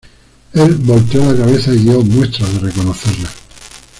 El volteó la cabeza y dio muestras de reconocerla.